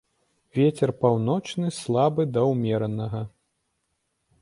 Вецер паўночны слабы да ўмеранага.